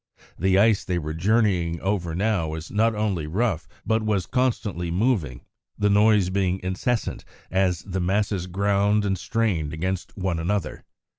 The ice they were journeying over now was not only rough but was constantly moving, the noise being incessant as the masses ground and strained against one another.